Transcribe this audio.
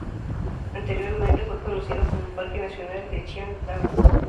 Anteriormente fue conocido como parque nacional de Chiang Dao.